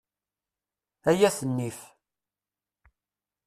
Ay at nnif!